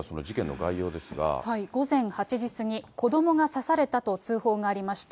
午前８時過ぎ、子どもが刺されたと通報がありました。